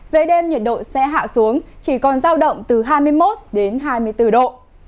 về đêm nhiệt độ sẽ hạ xuống chỉ còn giao động từ hai mươi một đến hai mươi bốn độ